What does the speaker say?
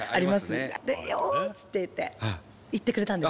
出ようって言って行ってくれたんです。